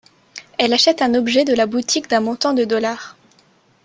Elle achète un objet de la boutique d'un montant de $.